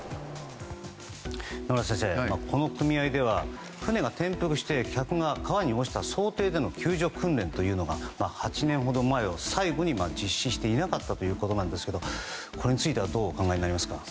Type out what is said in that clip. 野村先生この組合では船が転覆して客が川に転落した想定での救助訓練というのが８年ほど前を最後に実施していなかったということなんですけどこれについてはどうお考えになりますか？